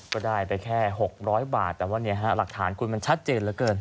ก็ได้ไปแค่๖๐๐บาทแต่ว่าหลักฐานคุณมันชัดเจนเหลือเกิน